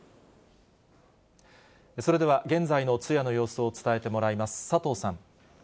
それでは現在の通夜の様子を伝えてもらいます。